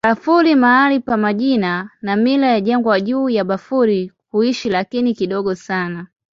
Bafur mahali pa majina na mila ya jangwa juu ya Bafur kuishi, lakini kidogo.